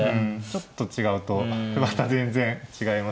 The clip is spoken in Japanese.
ちょっと違うとまた全然違いますもんね。